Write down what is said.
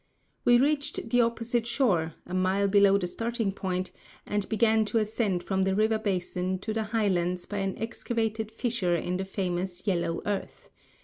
We reached the opposite shore, a mile below the starting point, and began to ascend from the river basin to the highlands by an excavated fissure in the famous "yellow earth."